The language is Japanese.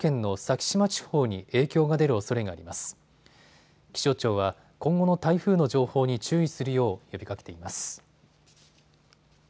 気象庁は今後の台風の情報に注意するよう呼びかけています。